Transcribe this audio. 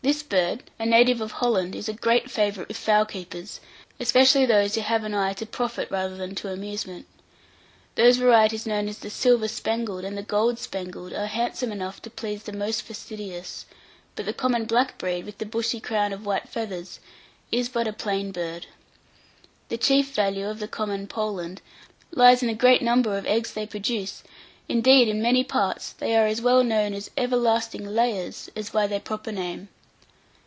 This bird, a native of Holland, is a great favourite with fowl keepers, especially those who have on eye to profit rather than to amusement. Those varieties known as the "silver spangled" and the "gold spangled" are handsome enough to please the most fastidious; but the common black breed, with the bushy crown of white feathers, is but a plain bird. The chief value of the common Poland lies in the great number of eggs they produce; indeed, in many parts, they are as well known as "everlasting layers" as by their proper name.